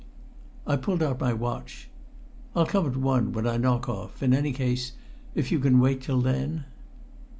I pulled out my watch. "I'll come at one, when I knock off in any case, if you can wait till then."